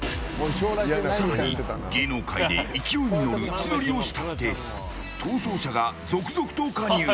更に、芸能界で勢いに乗る千鳥を慕って逃走者が続々と加入。